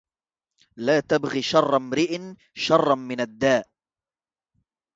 لا تبغ شر امرئ شرا من الداء